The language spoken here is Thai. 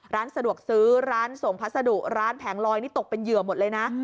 ร้านสะดวกซื้อร้านส่งพัสดุร้านแผงลอยนี่ตกเป็นเหยื่อหมดเลยนะ